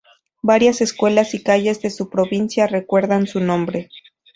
Varias escuelas y calles de su provincia recuerdan su nombre.